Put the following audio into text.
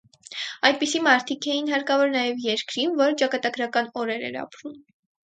Այդպիսի մարդիկ էին հարկավոր նաև երկրին, որը ճակատագրական օրեր էր ապրում։